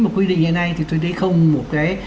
mà quy định ngày nay thì tôi thấy không một